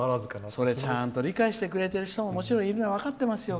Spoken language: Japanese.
それ、ちゃんと理解してくれている人ももちろんいるのは分かってますよ